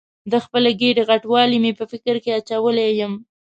د خپلې ګېډې غټوالی مې په فکر کې اچولې یم.